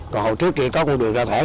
còn hầu trước kia có một đường ra thoảng